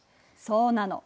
そうなの。